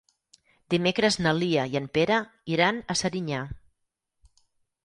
Dimecres na Lia i en Pere iran a Serinyà.